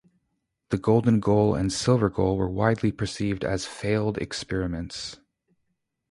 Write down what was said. The golden goal and silver goal were widely perceived as failed experiments.